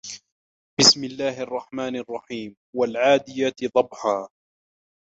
بسم الله الرحمن الرحيم والعاديات ضبحا